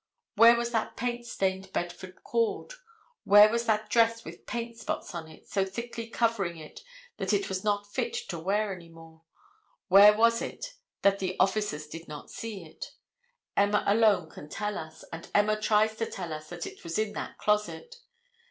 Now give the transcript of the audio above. Where was that paint stained bedford cord? Where was that dress with paint spots on it, so thickly covering it that it was not fit to wear any more? Where was it that the officers did not see it? Emma alone can tell us, and Emma tries to tell us that it was in that closet.